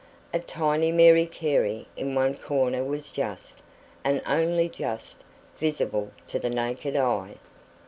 A tiny 'Mary Carey' in one corner was just, and only just, visible to the naked eye.